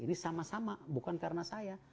ini sama sama bukan karena saya